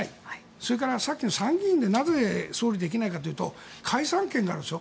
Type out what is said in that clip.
それからさっき、参議院で総理できないかというと解散権があるでしょ。